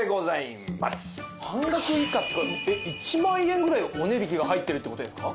半額以下っていうかえっ１万円ぐらいお値引きが入ってるって事ですか？